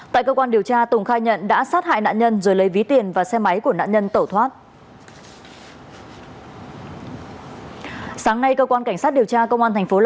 tại cơ quan điều tra tùng khai nhận đã sát hại nạn nhân rồi lấy ví tiền và xe máy của nạn nhân tẩu thoát